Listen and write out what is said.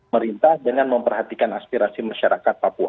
merintah dengan memperhatikan aspirasi masyarakat papua